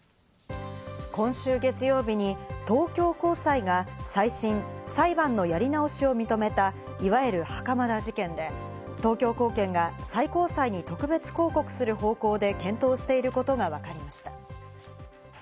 今週月曜日に東京高裁が再審＝裁判のやり直しを認めた、いわゆる袴田事件で、東京高検が最高裁に特別抗告する方向で検討していることがわかりました。